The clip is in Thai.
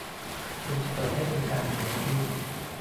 โดยจะเปิดให้บริการถึงวันที่